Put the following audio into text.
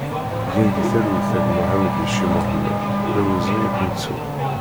Gen di talwit a gma Ḥamideci Moḥemmed, d awezɣi ad k-nettu!